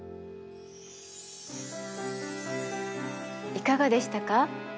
いかがでしたか？